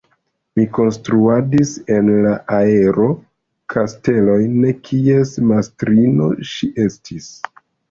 Mi konstruadis en la aero kastelojn, kies mastrino ŝi estis.